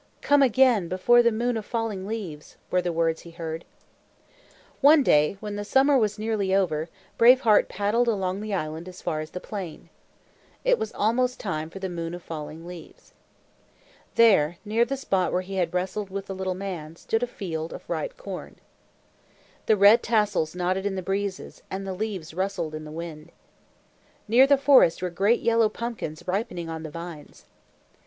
"Come again, before the Moon of Falling Leaves," were the words he heard. One day, when the summer was nearly over, Brave Heart paddled his canoe along the island as far as the plain. It was almost time for the Moon of Falling Leaves. There, near the spot where he had wrestled with the little man, stood a field of ripe corn. The red tassels nodded in the breezes, and the leaves rustled in the wind. Near the forest were great yellow pumpkins ripening on the vines.